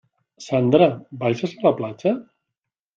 Sandra, baixes a la platja?